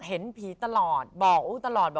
เห็นผีตลอดบอกอู้ตลอดบอก